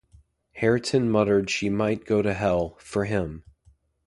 Hareton muttered she might go to hell, for him!